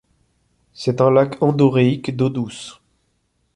C'est un lac endoréique d'eau douce.